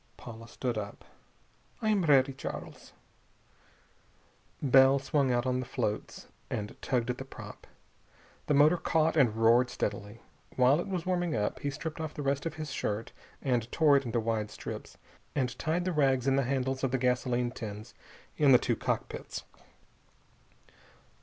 Paula stood up. "I am ready, Charles." Bell swung out on the floats and tugged at the prop. The motor caught and roared steadily. While it was warming up, he stripped off the rest of his shirt and tore it into wide strips, and tied the rags in the handles of the gasoline tins in the two cockpits.